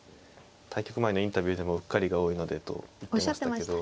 対局前のインタビューでもうっかりが多いのでと言ってましたけど。